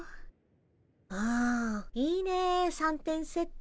うんいいね三点セット。